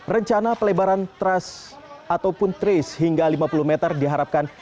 rencana pelebaran trust ataupun trace hingga lima puluh meter diharapkan